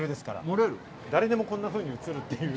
誰でもこんなふうに写るっていう。